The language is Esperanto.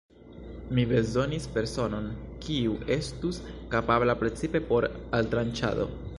Mi bezonis personon, kiu estus kapabla precipe por altranĉado.